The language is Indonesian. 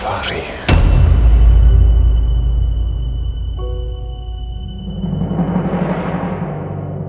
tidak ada yang bisa dihapuskan